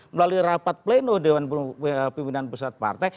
melalui rapat pleno dewan pimpinan pusat partai